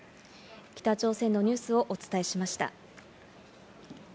北朝鮮のニュースをお伝えしました。